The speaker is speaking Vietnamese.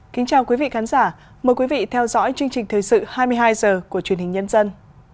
kính chào quý vị khán giả mời quý vị theo dõi chương trình thời sự hai mươi hai h của truyền hình nhân dân